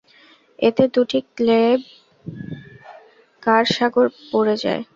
এতে দুটি cable car সাগর পড়ে যায়।